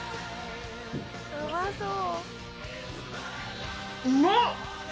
「うまそう」